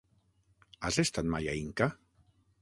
Has estat mai a Inca?